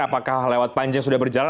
apakah lewat panjang sudah berjalan